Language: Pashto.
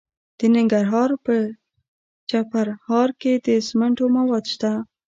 د ننګرهار په چپرهار کې د سمنټو مواد شته.